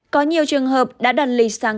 có nhiều trường hợp đã đặt lì sang